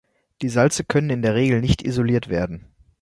Die Salze können in der Regel nicht isoliert werden.